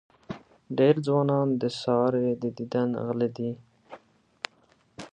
ډېر ځوانان د سارې د دیدن غله دي.